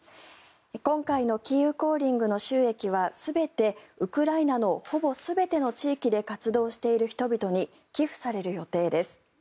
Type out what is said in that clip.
今回の「キーウ・コーリング」の収益は全て、ウクライナのほぼ全ての地域で活動している人々に寄付される予定です。